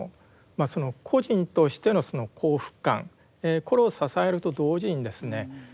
個人としてのその幸福感これを支えると同時にですね